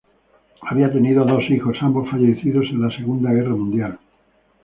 Había tenido dos hijos, ambos fallecidos en la Segunda Guerra Mundial.